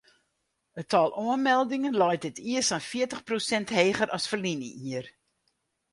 It tal oanmeldingen leit dit jier sa'n fjirtich prosint heger as ferline jier.